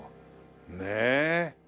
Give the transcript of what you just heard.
ねえ。